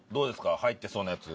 入ってそうなやつ。